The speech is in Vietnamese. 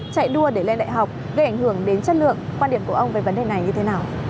chạy đua để lên đại học gây ảnh hưởng đến chất lượng quan điểm của ông về vấn đề này như thế nào